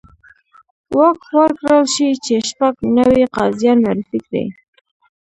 واک ورکړل شي چې شپږ نوي قاضیان معرفي کړي.